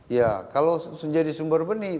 ya kalau menjadi sumber benih